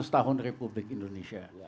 seratus tahun republik indonesia